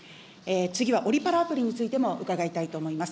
次はオリパラアプリについても、伺いたいと思います。